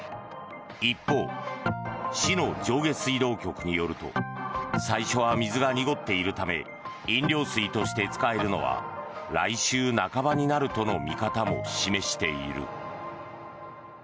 一方、市の上下水道局によると最初は水が濁っているため飲料水として使えるのは来週半ばになるとの見方も示している。